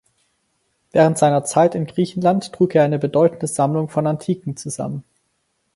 Während seiner Zeit in Griechenland trug er eine bedeutende Sammlung von Antiken zusammen.